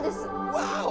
ワーオ！